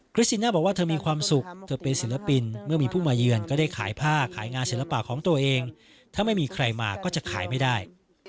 สินน่าบอกว่าเธอมีความสุขเธอเป็นศิลปินเมื่อมีผู้มาเยือนก็ได้ขายผ้าขายงานศิลปะของตัวเองถ้าไม่มีใครมาก็จะขายไม่ได้